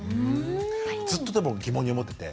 ずっとでも疑問に思ってて。